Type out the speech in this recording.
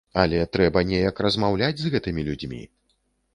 Але трэба неяк размаўляць з гэтымі людзьмі.